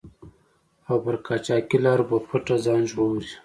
او پر قاچاقي لارو په پټه ځان ژغوري.